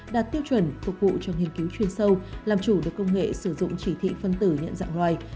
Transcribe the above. đạt tiêu chuẩn phục vụ cho nghiên cứu chuyên sâu làm chủ được công nghệ sử dụng chỉ thị phân tử nhận dạng loài